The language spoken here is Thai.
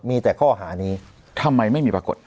มีแต่ข้อหานี้ทำไมไม่มีปรากฏ